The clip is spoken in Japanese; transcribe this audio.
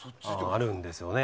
あるんですよね